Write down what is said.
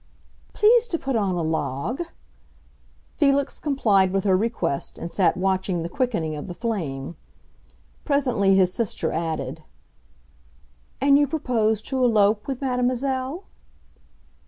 "Please to put on a log." Felix complied with her request and sat watching the quickening of the flame. Presently his sister added, "And you propose to elope with mademoiselle?"